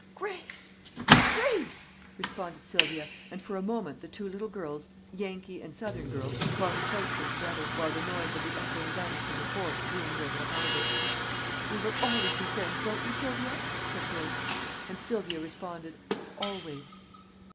"Grace! Grace!" responded Sylvia, and for a moment the two little girls, "Yankee" and southern girl, clung closely together, while the noise of the echoing guns from the forts boomed over the harbor. "We will always be friends, won't we, Sylvia?" said Grace; and Sylvia responded "Always."